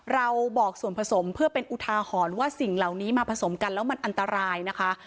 เราบอกส่วนผสมเพื่อเป็นอุทาหรณ์ว่าสิ่งเหล่านี้มาผสมกันแล้วมันอันตรายนะคะ